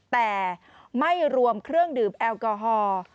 แต่ไม่รวมเครื่องดื่มแอลกอฮอล์